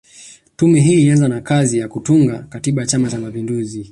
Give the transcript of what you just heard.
Tume hii ilianza na kazi ya kutunga Katiba ya Chama Cha mapinduzi